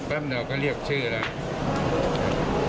พิมพ์เดี๋ยวก็เรียกชื่อแล้ว